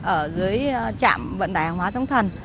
ở dưới trạm vận đại hàng hóa sóng thần